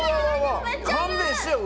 勘弁してよ。